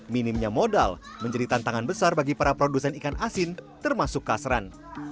minimnya modal menjadi tantangan besar bagi para produsen ikan asin termasuk kasran